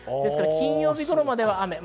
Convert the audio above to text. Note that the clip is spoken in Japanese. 金曜日頃までは雨。